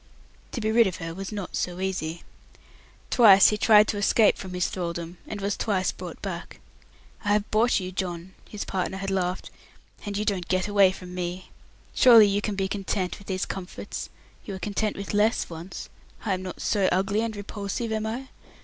To be rid of her was not so easy. Twice he tried to escape from his thraldom, and was twice brought back. "I have bought you, John," his partner had laughed, "and you don't get away from me. Surely you can be content with these comforts. You were content with less once. I am not so ugly and repulsive, am I?"